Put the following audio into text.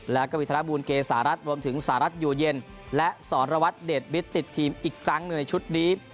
แล้วก็มีธนบูลเกษารัฐรวมถึงสหรัฐอยู่เย็นและสรวัตรเดชมิตรติดทีมอีกครั้งหนึ่งในชุดนี้